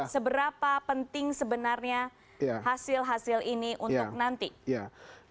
seberapa penting sebenarnya hasil hasil ini untuk nanti